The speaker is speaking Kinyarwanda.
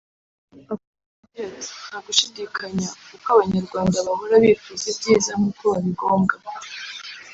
Akomeza agira ati “Nta gushidikanya uko Abanyarwanda bahora bifuza ibyiza nk’uko babigombwa